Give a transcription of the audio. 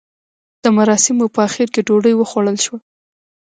د مراسیمو په اخر کې ډوډۍ وخوړل شوه.